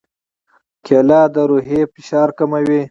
کېله د روحي فشار کموي.